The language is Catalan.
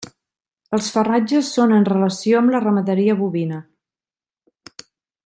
Els farratges són en relació amb la ramaderia bovina.